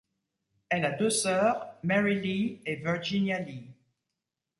Elle a deux sœurs, Mary Lee et Virginia Lee.